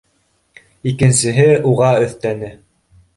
Икенсеһе уға өҫтәне: